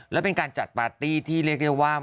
และเป็นการจัดปาร์ตี้ที่เรียกได้ว่า